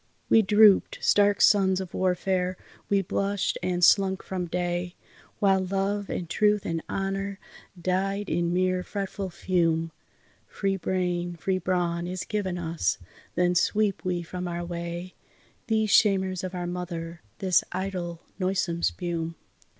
We droop'd, stark sons of warfare, we blushed and slunk from day, While Love and Truth and Honour died in mere fretful fume. Free brain, free brawn, is given us, then sweep we from our way These shamers of our mother, this idle, noisome spume.